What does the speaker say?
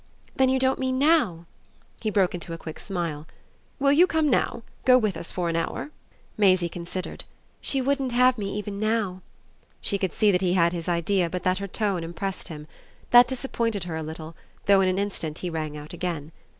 "Then you don't mean now?" He broke into a quick smile. "Will you come now? go with us for an hour?" Maisie considered. "She wouldn't have me even now." She could see that he had his idea, but that her tone impressed him. That disappointed her a little, though in an instant he rang out again.